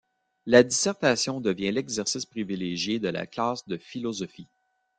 La dissertation devient l'exercice privilégié de la classe de philosophie.